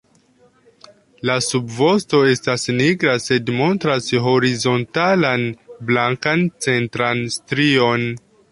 La subvosto estas nigra sed montras horizontalan blankan centran strion.